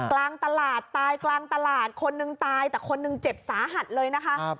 กลางตลาดตายกลางตลาดคนหนึ่งตายแต่คนหนึ่งเจ็บสาหัสเลยนะคะ